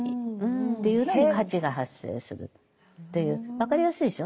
分かりやすいでしょ。